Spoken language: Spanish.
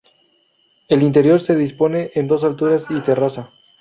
El interior se dispone en dos alturas y terraza.